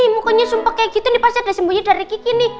mukanya sumpah kayak gitu ini pasti ada sembunyi dari kiki nih